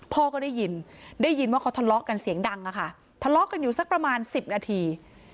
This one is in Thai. พ่อก็ได้ยินได้ยินว่าเขาทะเลาะกันเสียงดังอะค่ะทะเลาะกันอยู่สักประมาณ๑๐นาที